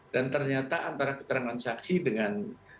dan ternyata antara keterangan saksi dengan